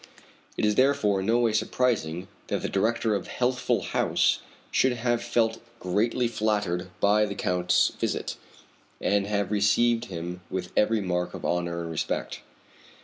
It is therefore in no way surprising that the director of Healthful House should have felt greatly flattered by the Count's visit, and have received him with every mark of honor and respect.